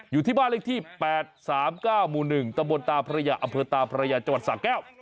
อยู่ที่บ้านเลขที่๘๓๙หมู่๑ตะบนตาพระยาอำเภอตาพระยาจังหวัดสาแก้ว